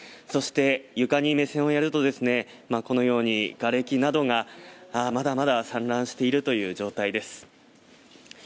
そして、床に目線をやるとこのようにがれきなどがまだまだ散乱しているという状態です。